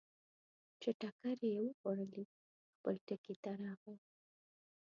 چې ټکرې یې وخوړلې، خپل ټکي ته راغی.